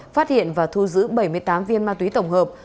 phát hiện và thu giữ bảy mươi tám viên ma túy tổng hợp